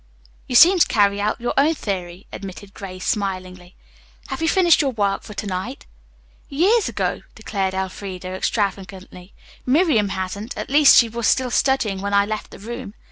"You seem to carry out your own theory," admitted Grace smilingly. "Have you finished your work for to night?" "Years ago," declared Elfreda extravagantly. "Miriam hasn't, at least she was still studying when I left the room.